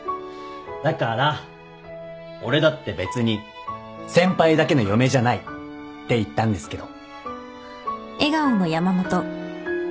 だから俺だって別に先輩だけの嫁じゃないって言ったんですけど。